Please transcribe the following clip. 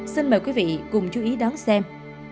xin mời quý vị cùng chú ý đón xem